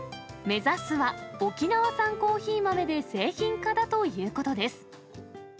目指すは沖縄産コーヒー豆で製品化だということです。